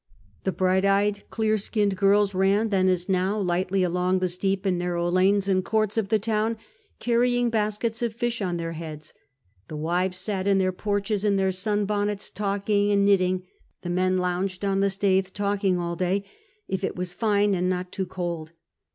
The bright eyed, clear skinned girls ran, then as now, lightly along the steep and narrow lanes and courts of the town, carrying baskets of fish on their heads ; the wives sat in their porches in their sun bonnets talking and knitting ; the men lounged on the Staithc talking all day, if it was fine and not too cold.